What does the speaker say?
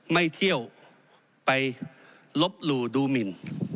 ไม่เที่ยวไปลบหลู่ดูหมิน